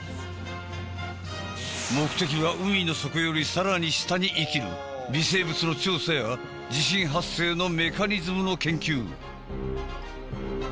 目的は海の底より更に下に生きる微生物の調査や地震発生のメカニズムの研究。